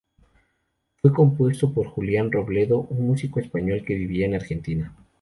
Fue compuesto por Julián Robledo, un músico español que vivía en Argentina.